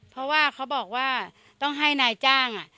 เพราะว่าเขาบอกว่าต้องให้นายจ้าง